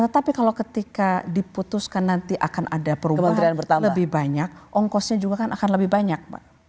tapi kalau ketika diputuskan nanti akan ada perubahan lebih banyak ongkosnya juga kan akan lebih banyak